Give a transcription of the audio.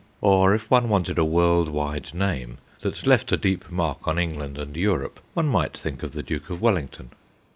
Or if one wanted a world wide name, that left a deep mark on England and Europe, one might think of the Duke of Wellington.